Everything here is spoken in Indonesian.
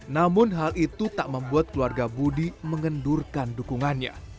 namun hal itu tak membuat keluarga budi mengendurkan dukungannya